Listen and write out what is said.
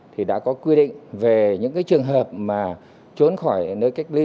thì đã có quy định về những trường hợp mà trốn khỏi nơi cách ly